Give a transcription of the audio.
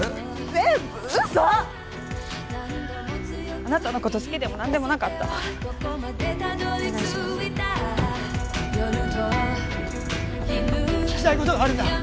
あなたのこと好きでも何でもなかった聞きたいことがあるんだ